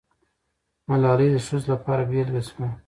ملالۍ د ښځو لپاره بېلګه سوه.